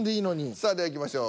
さあではいきましょう。